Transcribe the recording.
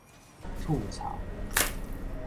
黜臭